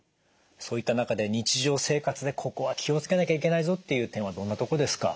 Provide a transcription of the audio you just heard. そういった中で日常生活でここは気を付けなきゃいけないぞっていう点はどんなとこですか？